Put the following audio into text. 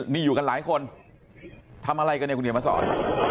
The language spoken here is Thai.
นี่อยู่กันหลายคนทำอะไรกันเนี่ยคุณเขียนมาสอน